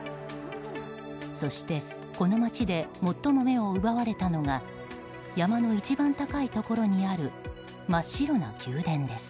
そして、この町で最も目を奪われたのが山の一番高いところにある真っ白な宮殿です。